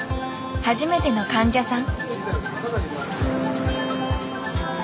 初めての患者さん。